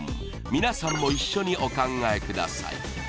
皆さんも一緒にお考えください